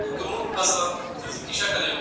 خو فاینل ته د رسېدو لپاره کار اړین دی.